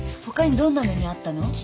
他にどんな目に遭ったの？